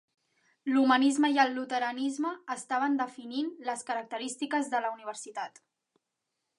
L'humanisme i el luteranisme estaven definint les característiques de la universitat.